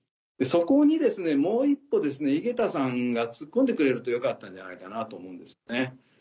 そこにもう一歩井桁さんがツッコんでくれるとよかったんじゃないかなと思うんですよね。